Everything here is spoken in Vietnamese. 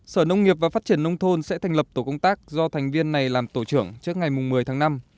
sở nông nghiệp và phát triển nông thôn sẽ thành lập tổ công tác do thành viên này làm tổ trưởng trước ngày một mươi tháng năm